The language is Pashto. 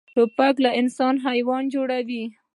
توپک له انسان حیوان جوړوي.